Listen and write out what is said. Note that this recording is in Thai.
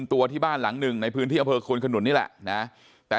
จังหวะนั้นได้ยินเสียงปืนรัวขึ้นหลายนัดเลย